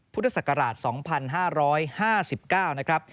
พุทธศักราช๒๕๕๙นะครับ